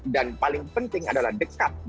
dan paling penting adalah dekstabilisasi